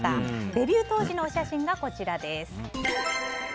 デビュー当時のお写真がこちら。